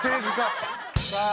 さあ